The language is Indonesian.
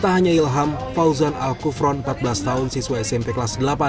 tak hanya ilham fauzan al kufron empat belas tahun siswa smp kelas delapan